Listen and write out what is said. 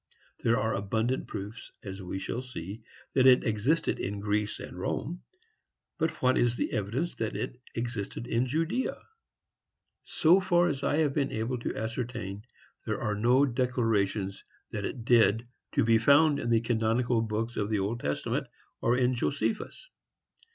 There are abundant proofs, as we shall see, that it existed in Greece and Rome; but what is the evidence that it existed in Judea? So far as I have been able to ascertain, there are no declarations that it did to be found in the canonical books of the Old Testament, or in Josephus.